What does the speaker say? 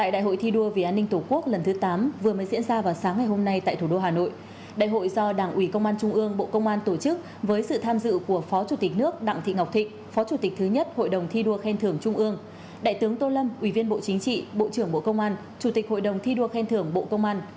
đại tướng tô lâm ủy viên bộ chính trị bộ trưởng bộ công an chủ tịch hội đồng thi đua khen thưởng bộ công an